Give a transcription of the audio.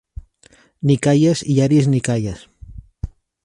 Nikaias i Aris Nikaias.